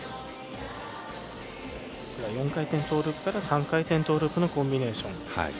４回転トーループから３回転トーループのコンビネーション。